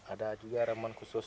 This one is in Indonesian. ada juga ramuan khusus